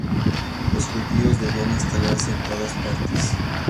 Los judíos debían instalarse en todas partes.